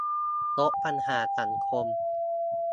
ลดปัญหาสังคม